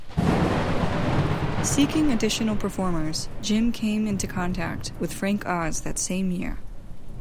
Seeking additional performers, Jim came into contact with Frank Oz that same year.